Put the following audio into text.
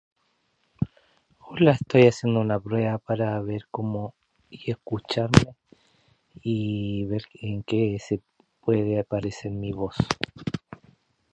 You may support your ideas with outside sources, beyond our textbook.